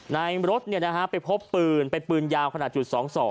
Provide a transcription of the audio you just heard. ในรถไปพบปืนเป็นปืนยาวขนาดจุด๒๒